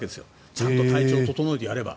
ちゃんと体調を整えてやれば。